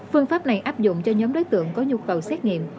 phương pháp này áp dụng cho nhóm đối tượng có nhu cầu xét nghiệm